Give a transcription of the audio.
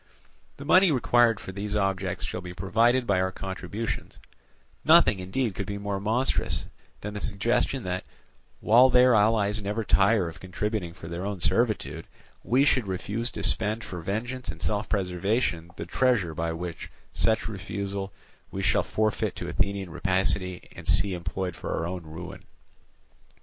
The money required for these objects shall be provided by our contributions: nothing indeed could be more monstrous than the suggestion that, while their allies never tire of contributing for their own servitude, we should refuse to spend for vengeance and self preservation the treasure which by such refusal we shall forfeit to Athenian rapacity and see employed for our own ruin.